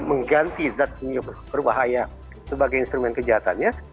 mengganti zat senyum berbahaya sebagai instrumen kejahatannya